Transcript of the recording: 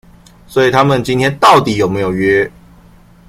所以他們今天到底有沒有約